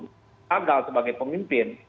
tagal sebagai pemimpin